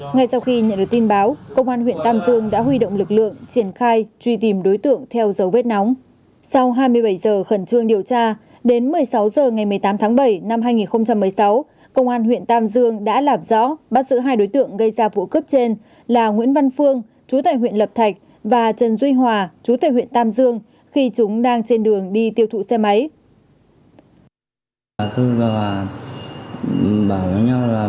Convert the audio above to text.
ngay sau khi nhận được tin báo công an huyện tam dương đã huy động lực lượng triển khai truy tìm đối tượng